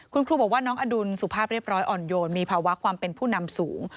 คุณครูบอกว่าน้องอดุลสุภาพเรียบร้อยอ่อนโยนมีภาวะความเป็นผู้นำสูง